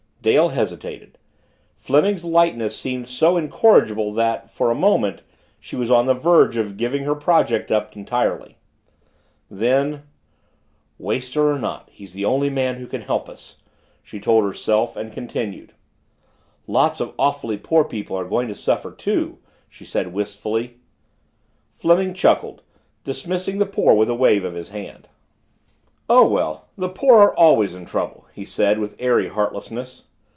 Dale hesitated; Fleming's lightness seemed so incorrigible that, for a moment, she was on the verge of giving her project up entirely. Then, "Waster or not he's the only man who can help us!" she told herself and continued. "Lots of awfully poor people are going to suffer, too," she said wistfully. Fleming chuckled, dismissing the poor with a wave of his hand. "Oh, well, the poor are always in trouble," he said with airy heartlessness.